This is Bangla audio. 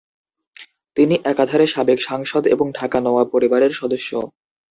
তিনি একাধারে সাবেক সাংসদ এবং ঢাকা নওয়াব পরিবারের সদস্য।